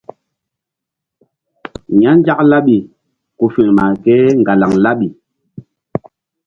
Ya Nzak laɓi ku firma kéŋgalaŋ laɓi.